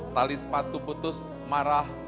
tali sepatu putus marah